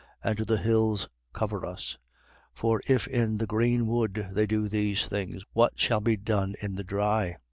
And to the hills: Cover us. 23:31. For if in the green wood they do these things, what shall be done in the dry?